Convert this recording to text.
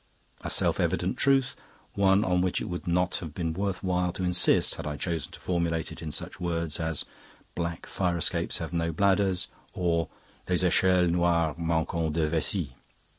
A self evident truth, one on which it would not have been worth while to insist, had I chosen to formulate it in such words as 'Black fire escapes have no bladders,' or, 'Les echelles noires manquent de vessie.